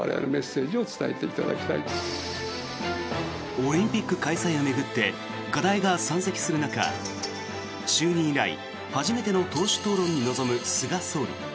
オリンピック開催を巡って課題が山積する中就任以来初めての党首討論に臨む菅総理。